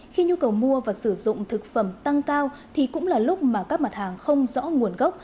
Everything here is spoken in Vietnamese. khi nhu cầu mua và sử dụng thực phẩm tăng cao thì cũng là lúc mà các mặt hàng không rõ nguồn gốc